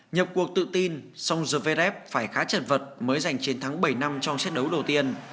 nhập cuộc tự tin song gerev phải khá chật vật mới giành chiến thắng bảy năm trong xét đấu đầu tiên